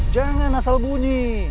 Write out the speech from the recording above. jangan asal bunyi